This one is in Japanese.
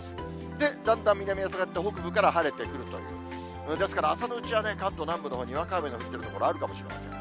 で、だんだん南へ下がって、北部から晴れてくるという、ですから、朝のうちはね、関東南部のほう、にわか雨の降ってる所あるかもしれません。